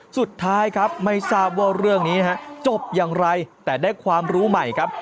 สุดท้ายครับไม่ทราบว่าเรื่องนี้จบอย่างไรแต่ได้ความรู้ใหม่ครับ